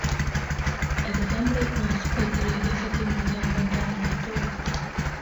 Ez az emlék ma a spliti régészeti múzeumban található.